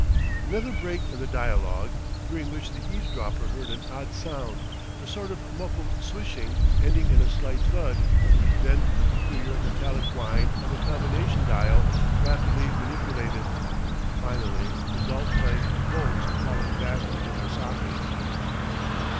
Another break in the dialogue, during which the eavesdropper heard an odd sound, a sort of muffled swishing ending in a slight thud, then the peculiar metallic whine of a combination dial rapidly manipulated, finally the dull clank of bolts falling back into their sockets.